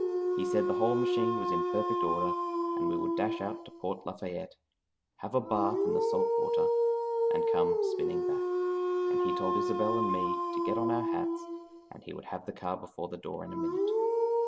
He said the whole machine was in perfect order and we would dash out to Port Lafayette, have a bath in the salt water, and come spinning back, and he told Isobel and me to get on our hats, and he would have the car before the door in a minute.